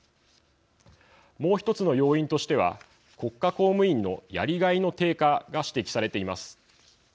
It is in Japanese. もう一つの要因としては国家公務員のやりがいの低下が指摘されています。